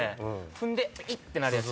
踏んでイッ！ってなるやつ。